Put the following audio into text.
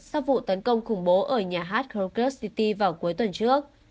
sau vụ tấn công khủng bố ở nhà hát kyrgyzstan vào cuối tuần trước